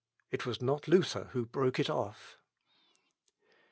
It was not Luther who broke it off.